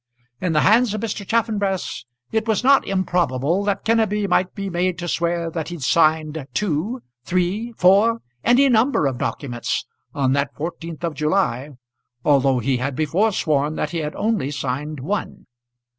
In the hands of Mr. Chaffanbrass it was not improbable that Kenneby might be made to swear that he had signed two, three, four any number of documents on that fourteenth of July, although he had before sworn that he had only signed one.